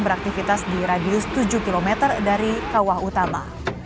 beraktivitas di radius tujuh km dari kawah utama